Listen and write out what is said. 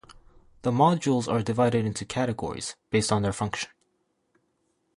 The Modules are divided into categories, based on their function.